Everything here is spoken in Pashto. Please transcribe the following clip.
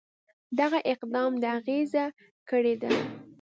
دغه اقدام د اغېزه کړې ده.